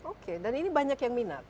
oke dan ini banyak yang minat